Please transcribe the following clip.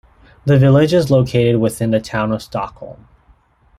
The village is located within the Town of Stockholm.